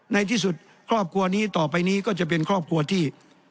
ในที่สุดครอบครัวนี้ต่อไปนี้ก็จะเป็นครอบครัวที่